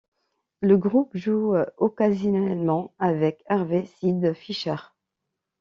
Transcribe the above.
Le groupe joue occasionnellement avec Harvey Sid Fisher.